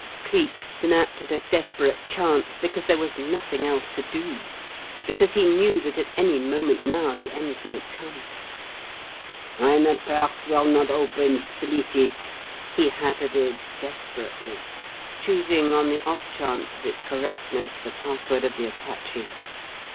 Cleek snapped at a desperate chance because there was nothing else to do, because he knew that at any moment now the end might come. "'When the purse will not open, slit it!'" he hazarded, desperately choosing, on the off chance of its correctness, the password of the Apache.